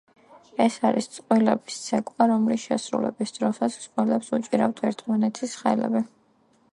ეს არის წყვილების ცეკვა რომლის შესრულების დროსაც წყვილებს უჭირავთ ერთმანეთის ხელები.